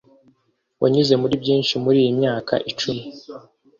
wanyuze muri byinshi muriyi myaka icumi